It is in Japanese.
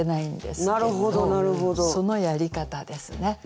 そのやり方ですね。